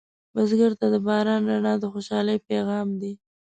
بزګر ته د باران رڼا د خوشحالۍ پیغام دی